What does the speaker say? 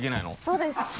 そうです。